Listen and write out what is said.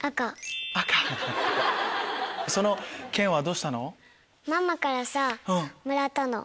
その剣はどうしたの？